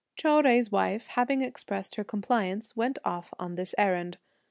Chou Jui's wife, having expressed her compliance, went off on this errand.